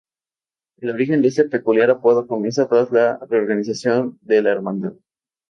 El origen de este peculiar apodo comienza tras la reorganización de la Hermandad.